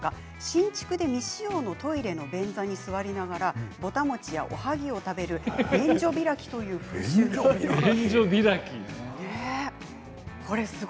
新築で未使用のトイレの便座に座りながらぼた餅や、おはぎを食べる便所開きという風習があります。